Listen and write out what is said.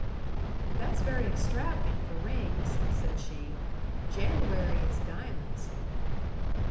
"That's very extravagant for rings," said she. "January is diamonds."